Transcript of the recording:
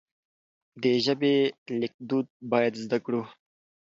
د ژبې ليکدود بايد زده کړو.